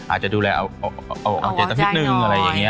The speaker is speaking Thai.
อาจจะดูแล๗สัปดาห์นิดนึงอะไรอย่างนี้